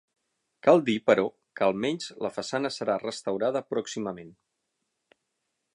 Cal dir però, que, almenys la façana, serà restaurada pròximament.